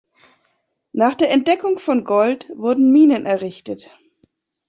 Nach der Entdeckung von Gold wurden Minen errichtet.